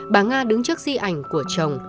bà nga đứng trước di ảnh của chồng